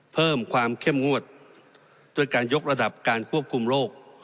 เพิ่มความเข้มงวดด้วยการยกระดับการควบคุมโรค